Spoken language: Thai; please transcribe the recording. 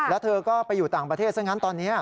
แล้วเธอก็ไปอยู่ต่างประเทศซะงั้นตอนนี้